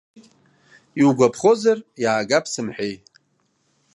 Иугәаԥхозар, иаагап сымҳәеи!